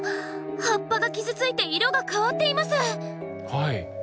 葉っぱが傷ついて色が変わっています。